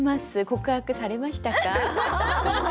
告白されましたか？